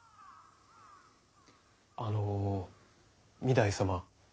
あの御台様。